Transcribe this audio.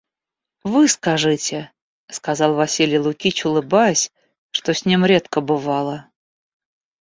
Вы скажите, — сказал Василий Лукич улыбаясь, что с ним редко бывало.